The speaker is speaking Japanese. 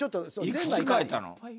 いくつ書いたの？